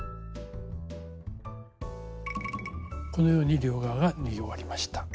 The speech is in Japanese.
このように両側が縫い終わりました。